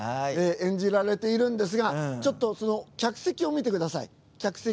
演じられているんですがちょっと客席を見てください。